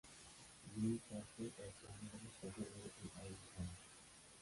Zoom চাষের এক অন্যতম ফসল হলো এই আউশ ধান।